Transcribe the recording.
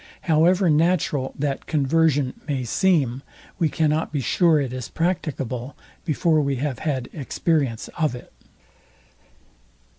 However natural that conversion may seem, we cannot be sure it is practicable, before we have had experience of it.